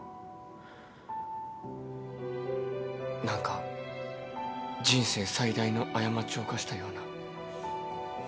何か人生最大の過ちを犯したような。